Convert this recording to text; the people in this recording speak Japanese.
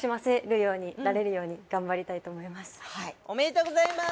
おめでとうございます。